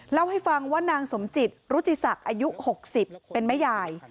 เล่าให้ฟังว่านางสมจิตรุจิศักดิ์อายุ๖๐เป็นแม่ยาย